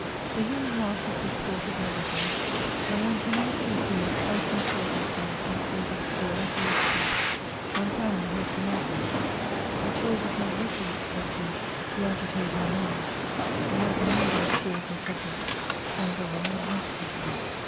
The human heart is the sport of every thing, and one can never foresee what trifling circumstance may cause its joys or its griefs. Montaigne has remarked this :" A cause is not re quisite," says he, " to agitate our minds : a reverie, without cause or subject, can govern and agitate them."